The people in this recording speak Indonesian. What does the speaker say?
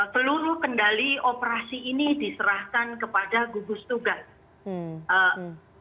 seluruh kendali operasi ini diserahkan kepada gugus tugas